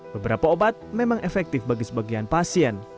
beberapa obat memang efektif bagi sebagian pasien